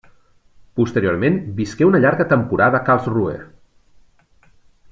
Posteriorment visqué una llarga temporada a Karlsruhe.